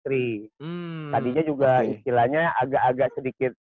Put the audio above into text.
tadinya juga istilahnya agak agak sedikit